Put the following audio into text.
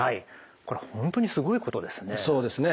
これは本当にすごいことですよねえ。